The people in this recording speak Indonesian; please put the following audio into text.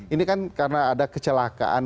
ini kan karena ada kecelakaan